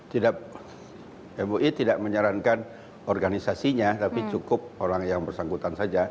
tidak mui tidak menyarankan organisasinya tapi cukup orang yang bersangkutan saja